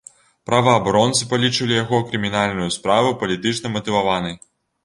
Праваабаронцы палічылі яго крымінальную справу палітычна матываванай.